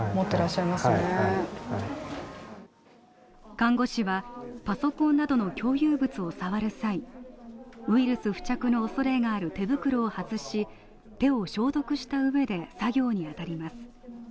看護師はパソコンなどの共有物を触る際、ウイルス付着の恐れがある手袋を外し手を消毒した上で作業にあたります。